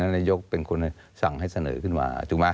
นายกลุ่นตรีเป็นคนสั่งให้เสนอขึ้นมา